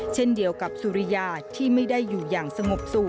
เช่นเดียวกับสุริยาที่ไม่ได้อยู่อย่างสงบสุข